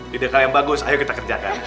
tidak kalian bagus ayo kita kerjakan